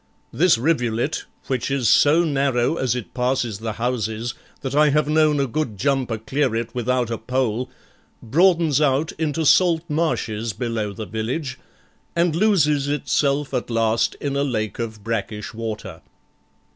This rivulet, which is so narrow as it passes the houses that I have known a good jumper clear it without a pole, broadens out into salt marshes below the village, and loses itself at last in a lake of brackish water.